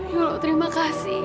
ya allah terima kasih